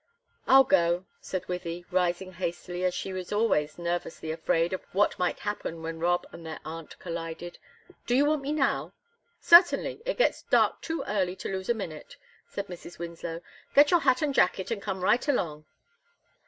"I'll go," said Wythie, rising hastily; she was always nervously afraid of what might happen when Rob and their aunt collided. "Do you want me now?" "Certainly; it gets dark too early to lose a minute," said Mrs. Winslow. "Get your hat and jacket and come right along."